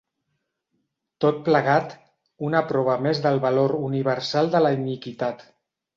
Tot plegat, una prova més del valor universal de la iniquitat.